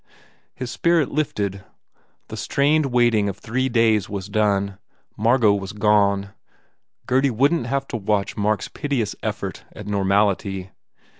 His spirit lifted; the strained waiting of three days was done; Mar got was gone; Gurdy wouldn t have to watch Mark s piteous effort at normality.